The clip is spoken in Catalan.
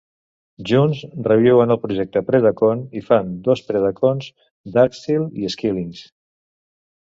Junts reviuen el Projecte Predacon, i fan dos Predacons, Darksteel i Skylynx.